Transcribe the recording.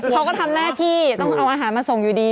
เขาก็ทำหน้าที่ต้องเอาอาหารมาส่งอยู่ดี